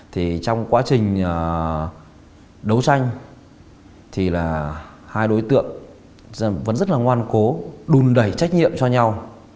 thì trong quá trình đấu tranh thì là hai đối tượng vẫn rất là ngoan cố đùn đẩy trách nhiệm cho nhau